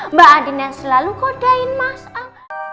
mbak andin yang selalu kodain mas al